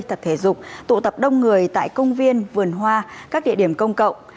tập thể dục tụ tập đông người tại công viên vườn hoa các địa điểm công cộng